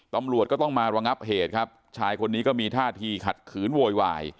ตำรวจก็ต้องมาระงับเหตุครับชายคนนี้ก็มีท่าทีขัดขืนโวยวาย